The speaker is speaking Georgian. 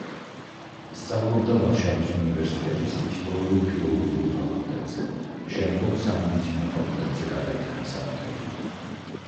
სწავლობდა ვარშავის უნივერსიტეტის ისტორიულ-ფილოლოგიურ ფაკულტეტზე, შემდგომ სამედიცინო ფაკულტეტზე გადაიტანა საბუთები.